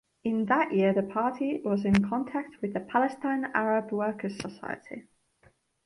In that year the party was in contact with the Palestine Arab Workers Society.